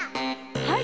はい！